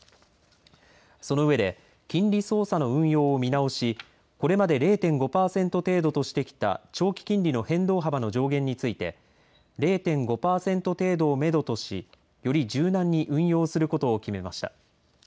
その上で、金利操作の運用を見直し、これまで０．５％程度としてきた長期金利の変動幅の上限について、０．５％程度をメドとし、より柔軟に運用することを決めました。